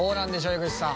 江口さん。